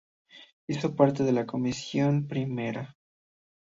Hizo parte de la Comisión Primera.